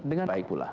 dengan baik pula